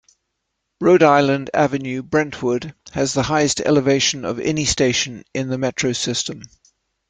Rhode Island Ave-Brentwood has the highest elevation of any station in the Metro system.